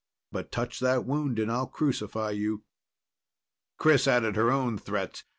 But touch that wound and I'll crucify you." Chris added her own threats.